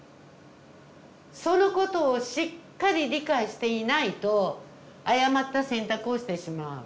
そのことをしっかり理解していないと誤った選択をしてしまう。